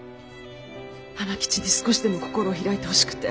浜吉に少しでも心を開いてほしくて。